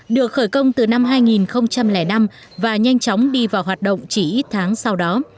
được khởi công từ năm hai nghìn năm và nhanh chóng đi vào hoạt động chỉ ít tháng sau đó